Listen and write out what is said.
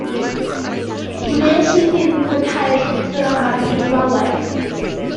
Wnes i ddim mwynhau'r ddrama rhyw lawer.